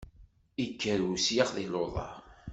Ikker usyax di luḍa.